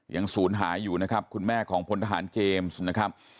ศูนย์หายอยู่นะครับคุณแม่ของพลทหารเจมส์นะครับ